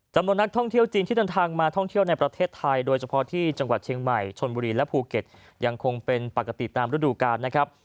จำนวนนักท่องเที่ยวจีนที่เดินทางมาท่องเที่ยวในประเทศไทยโดยเฉพาะที่จังหวัดเชียงใหม่ชนบุรีและภูเก็ตยังคงเป็นปกติตามฤดูกาลนะครับ